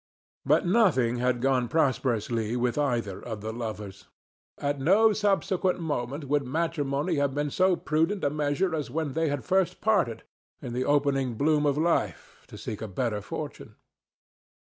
But nothing had gone prosperously with either of the lovers; at no subsequent moment would matrimony have been so prudent a measure as when they had first parted, in the opening bloom of life, to seek a better fortune.